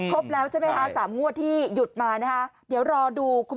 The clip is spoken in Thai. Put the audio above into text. พบแล้ว๓ง่วดที่หยุดมาเดี๋ยวรอดู